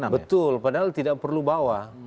betul padahal tidak perlu bawa